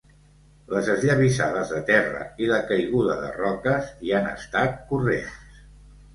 Les esllavissades de terra i la caiguda de roques hi han estat corrents.